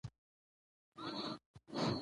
میری د غزني ولایت د اندړو د ولسوالي مرکز ده.